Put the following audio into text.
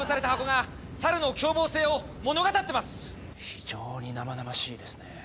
非常に生々しいですね。